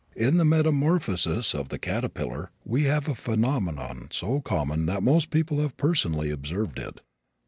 In the metamorphosis of the caterpillar we have a phenomenon so common that most people have personally observed it.